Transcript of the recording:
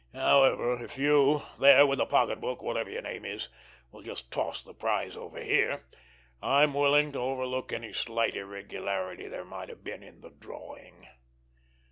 However, if you, there, with the pocketbook, whatever your name is, will just toss the prize over here, I'm willing to overlook any slight irregularity there might have been in the drawing."